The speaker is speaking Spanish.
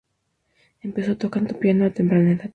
Empezó tocando piano a temprana edad.